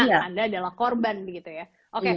anda adalah korban gitu ya oke